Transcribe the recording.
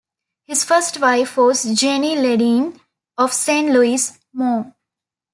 His first wife was Jenny Ledeen of Saint Louis, Mo.